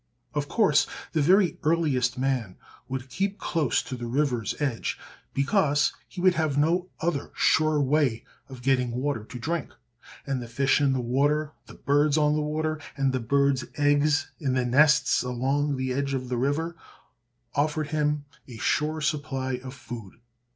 Of course, the very earliest man would keep close to the river's edge, because he would have no other sure way of getting water to drink, and the fish in the water, the birds on the water, and the birds' eggs in the nests along the edge of the river offered him a sure supply of food.